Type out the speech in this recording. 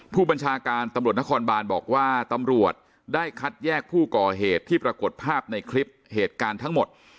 ผู้บัญชาการตำรวจนครบานบอกว่าตำรวจได้คัดแยกผู้ก่อเหตุที่ปรากฏภาพในคลิปเหตุการณ์ทั้งหมด